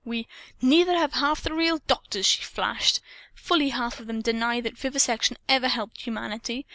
We " "Neither have half the real doctors!" she flashed. "Fully half of them deny that vivisection ever helped humanity.